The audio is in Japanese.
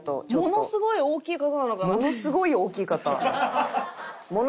「ものすごい大きい方」？